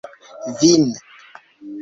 vin